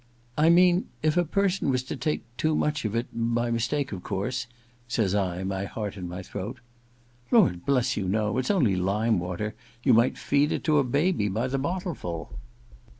* I mean — if a person was to take too much of it — by mistake of course ' says I, my heart in my throat. * Lord bless you, no. It's only lime water. You might feed it to a baby by the bottleful.'